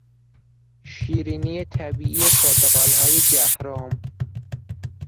شیرینی طبیعی پرتقالهای جهرم